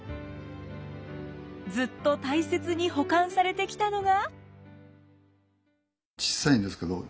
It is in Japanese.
ずっと大切に保管されてきたのが。